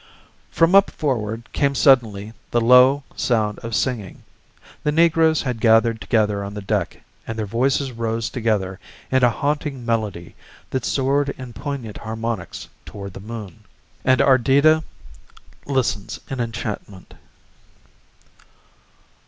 From up forward came suddenly the low sound of singing. The negroes had gathered together on the deck and their voices rose together in a haunting melody that soared in poignant harmonics toward the moon. And Ardita listens in enchantment.